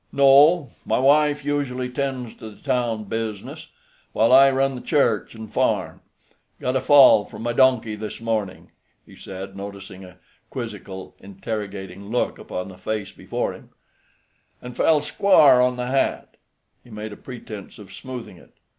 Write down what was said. "No; my wife usually 'tends to the town bizness, while I run the church and farm. Got a fall from my donkey this morning," he said, noticing a quizzical, interrogating look upon the face before him, "and fell squar' on the hat." He made a pretense of smoothing it.